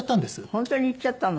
本当に行っちゃったの？